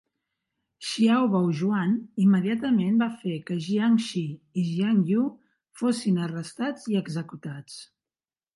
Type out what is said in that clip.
Xiao Baojuan immediatament va fer que Jiang Shi i Jiang You fossin arrestats i executats.